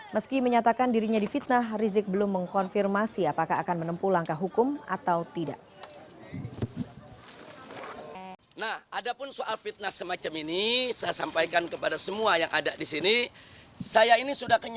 meski menyatakan dirinya difitnah rizik belum mengkonfirmasi apakah akan menempuh langkah hukum atau tidak